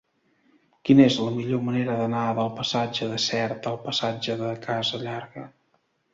Quina és la millor manera d'anar del passatge de Sert al passatge de Casa Llarga?